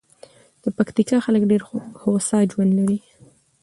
د پکتیکا خلک ډېر هوسا ژوند لري.